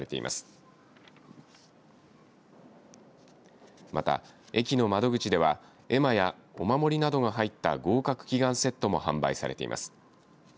また、駅の窓口では、絵馬やお守りなどが入った合格祈願セットも販売されています。